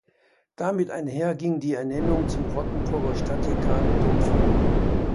Damit einher ging die Ernennung zum Rottenburger Stadtdekan und Dompfarrer.